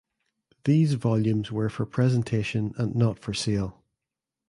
These volumes were for presentation and not for sale.